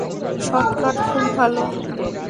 Shot কাট, খুব ভালো।